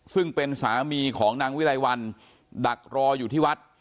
ซึ่งเป็นสามีของนางวิไลวันดักรออยู่ที่วัด